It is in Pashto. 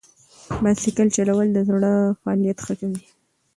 بایسکل چلول د زړه فعالیت ښه کوي.